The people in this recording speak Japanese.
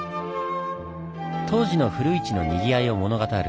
当時の古市のにぎわいを物語る